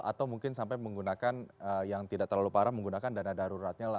atau mungkin sampai menggunakan yang tidak terlalu parah menggunakan dana daruratnya